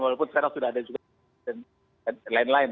walaupun sekarang sudah ada juga lain lain